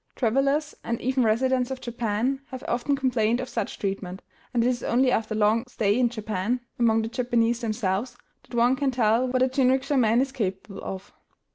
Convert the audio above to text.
Travelers, and even residents of Japan, have often complained of such treatment; and it is only after long stay in Japan, among the Japanese themselves, that one can tell what a jinrikisha man is capable of.